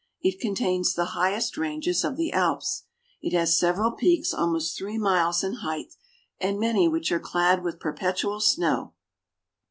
It contains the highest ranges of the Alps. It has several peaks almost three miles in height, and many which are clad with perpetual snow.